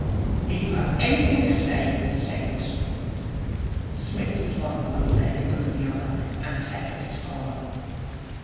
'If you have anything to say, say it.' Psmith flung one leg over the other, and settled his collar.